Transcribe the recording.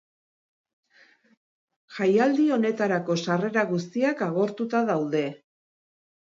Jaialdi honetarako sarrera guztiak agortuta daude.